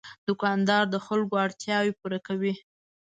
دوکاندار د خلکو اړتیاوې پوره کوي.